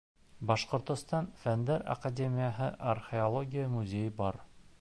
Башҡортостан Фәндәр академияһы археология музейы бар.